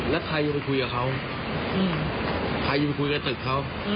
และใครอยู่มาคุยกับเขา